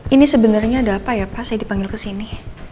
ini sebenarnya ada apa ya pak saya dipanggil ke sini